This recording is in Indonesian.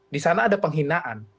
di sana ada penghinaan